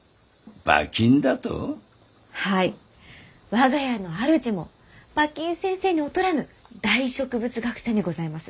我が家の主も馬琴先生に劣らぬ大植物学者にございます。